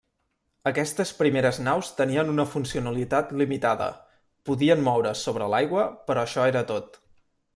Aquestes primeres naus tenien una funcionalitat limitada: podien moure's sobre l'aigua, però això era tot.